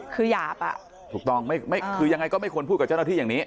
คือหยาบอ่ะถูกต้องคือยังไงก็ไม่ควรพูดกับเจ้าหน้าที่อย่างนี้